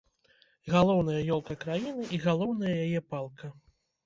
Галоўная ёлка краіны і галоўная яе палка.